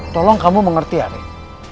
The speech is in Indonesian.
tolong kamu mengerti arin